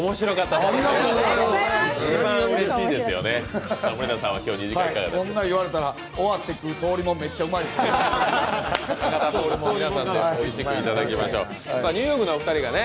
こんなん言われたら終わって食う通りもんめっちゃおいしいですね。